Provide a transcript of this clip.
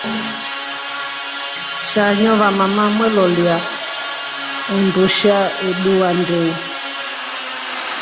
Shanyo vamama mwelolia ndusha idua ndeu.